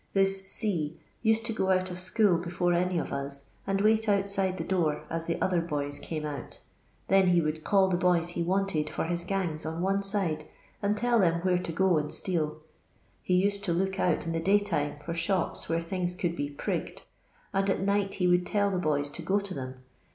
This C used to go out of school before any of us, and wait outside the door as the other boys came out Then he would call the boys he wanted for his gangs on one side, and tell them where to go and steal. He used to look out in the daytime for shops where things could be 'prigged,' and at night he would tell the boys to go to them.